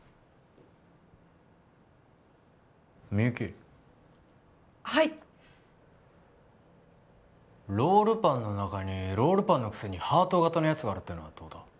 みゆきはいっロールパンの中にロールパンのくせにハート形のやつがあるってのはどうだ？